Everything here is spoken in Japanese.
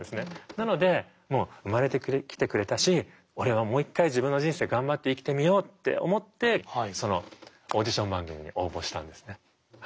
なのでもう生まれてきてくれたし俺はもう一回自分の人生頑張って生きてみようって思ってそのオーディション番組に応募したんですね。